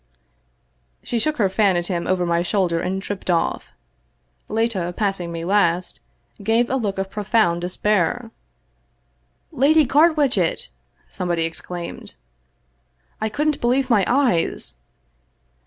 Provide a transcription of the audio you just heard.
" She shook her fan at him over my shoulder and tripped off. Leta, passing me last, gave me a look of pro found despair. " Lady Carwitchet !" somebody exclaimed. " I couldn't believe my eyes."